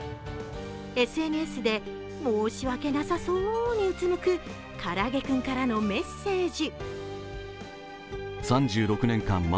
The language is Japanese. ＳＮＳで申し訳なさそうにうつむくからあげクンからのメッセージ。